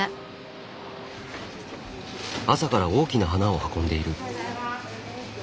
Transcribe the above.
朝から大きな花を運んでいる。